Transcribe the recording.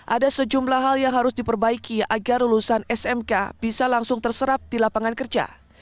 ada sejumlah hal yang harus diperbaiki agar lulusan smk bisa langsung terserap di lapangan kerja